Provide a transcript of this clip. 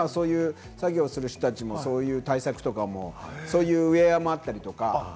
作業する人たちも今そういう対策とかも、ウエアもあったりとか。